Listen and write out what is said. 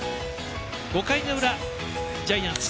５回の裏、ジャイアンツ。